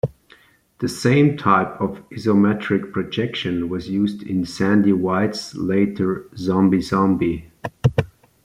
The same type of isometric projection was used in Sandy White's later "Zombie Zombie".